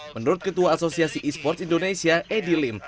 menurut ketua asosiasi e sports indonesia edi lim